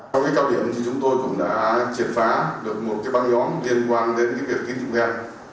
trong cái cao điểm thì chúng tôi cũng đã triệt phá được một cái băng nhóm liên quan đến việc kính dụng đen